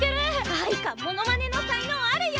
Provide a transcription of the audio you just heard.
藍花モノマネの才能あるよ！